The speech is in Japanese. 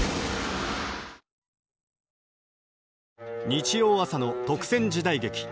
日曜朝の「特選時代劇」。